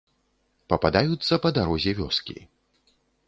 Пападаюцца па дарозе вёскі.